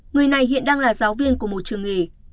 người này hiện đang là giáo viên của một trường nghề